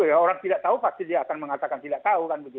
orang yang tidak tahu pasti dia akan mengatakan tidak tahu